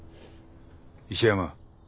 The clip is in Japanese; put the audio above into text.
石山。